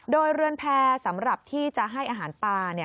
โดยเรือนแพร่สำหรับที่จะให้อาหารปลา